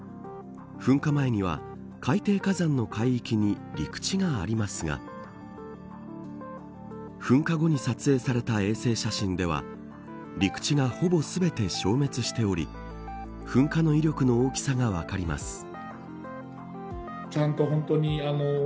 噴火前には海底火山の海域に陸地がありますが噴火後に撮影された衛星写真では陸地がほぼ全て消滅しており噴火の威力の大きさが分かります。